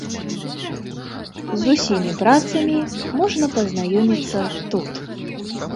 З усімі працамі можна пазнаёміцца тут.